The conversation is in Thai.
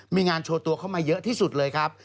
มีงานโชว์ตัวเข้ามาเยอะที่สุดเลยครับ